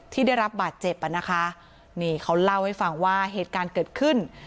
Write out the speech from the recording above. ที่ได้รับบาดเจ็บอ่ะนะคะนี่เขาเล่าให้ฟังว่าเหตุการณ์เกิดขึ้น